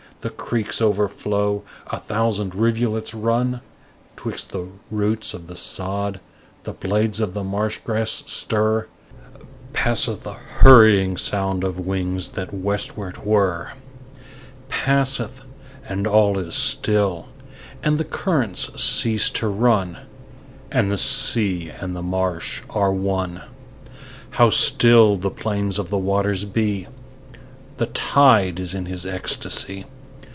The creeks overflow: a thousand rivulets run 'Twixt the roots of the sod; the blades of the marsh grass stir; Passeth a hurrying sound of wings that westward whirr; Passeth, and all is still; and the currents cease to run; And the sea and the marsh are one. How still the plains of the waters be! The tide is in his ecstasy.